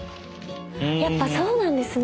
やっぱそうなんですね。